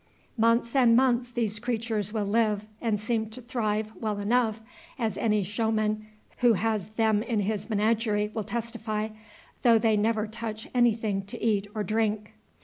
Months and months these creatures will live and seem to thrive well enough, as any showman who has then in his menagerie will testify, though they never touch anything to eat or drink.